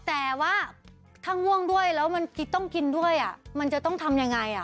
แต่ว่าถ้าง่วงด้วยแล้วมันต้องกินด้วยมันจะต้องทำยังไง